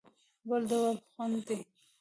بل ډول خوند دی.